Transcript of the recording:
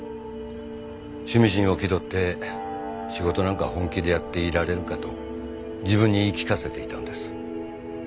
趣味人を気取って仕事なんか本気でやっていられるかと自分に言い聞かせていたんです。